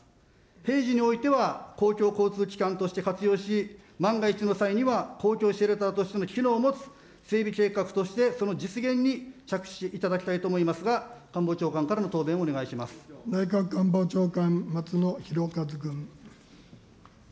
平時においては、公共交通機関として活用し、万が一の際には、公共シェルターとしての機能を持つ、整備計画としてその実現に着手いただきたいと思いますが、官房長内閣官房長官、松野博一君。